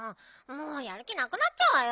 もうやる気なくなっちゃうわよ。